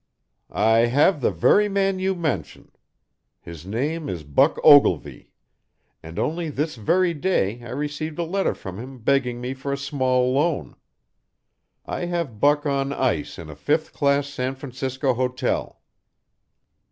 "I have the very man you mention. His name is Buck Ogilvy and only this very day I received a letter from him begging me for a small loan. I have Buck on ice in a fifth class San Francisco hotel."